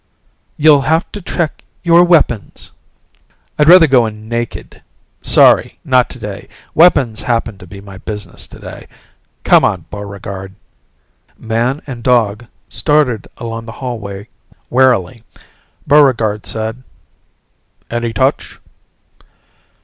"You'll have to check your weapons." "I'd rather go in naked. Sorry. Not today. Weapons happen to be my business today. Come on, Buregarde." Man and dog started along the hallway warily. Buregarde said, "Any touch?"